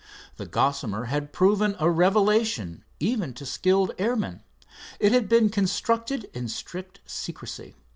The Gossamer had proven a revelation, even to skilled airmen. It had been constructed in strict secrecy.